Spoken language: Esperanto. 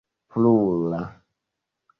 plura